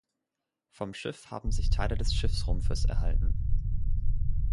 Vom Schiff haben sich Teile des Schiffsrumpfes erhalten.